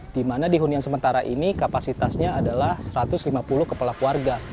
di mana di hunian sementara ini kapasitasnya adalah satu ratus lima puluh kepala keluarga